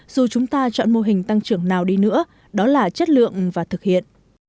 dù chúng ta chọn mô hình tăng trưởng nào đi nữa đó là chất lượng và thực hiện